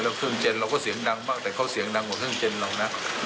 แล้วเครื่องเจนเราก็เสียงดังมากแต่เขาเสียงดังกว่าเครื่องเจนเรานะ